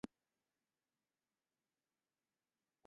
孵溪蟾只曾发现在未开发的雨林出现。